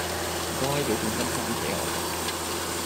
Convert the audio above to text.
唔該，畀半斤番茄我